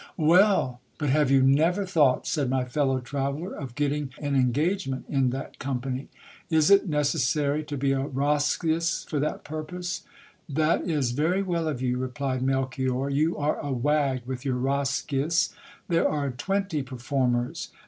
Well ! but have you never thought, said my fellow traveller, of getting an engagement in that company ? Is it necessary to be a Roscius for that purpose ? That is very well of you ! replied Melchior, you are a wag, with your Roscius ! There are twenty performers.